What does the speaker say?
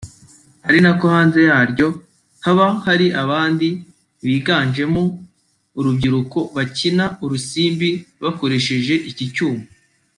ari na ko hanze yaryo haba hari abandi biganjemo urubyiruko bakina urusimbi bakoresheje iki cyuma